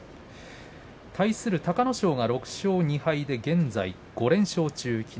対する隆の勝が６勝２敗で現在５連勝中です。